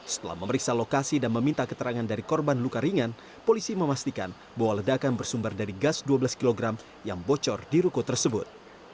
setelah memeriksa lokasi dan meminta keterangan dari korban luka ringan polisi memastikan bahwa ledakan bersumber dari gas dua belas kg yang bocor di ruko tersebut